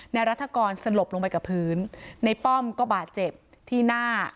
รัฐกรสลบลงไปกับพื้นในป้อมก็บาดเจ็บที่หน้า